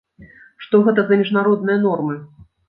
Што гэта за міжнародныя нормы?